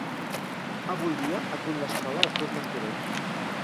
Avui dia acull l'Escola Artur Martorell.